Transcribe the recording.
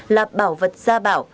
là bảo vật gia bảo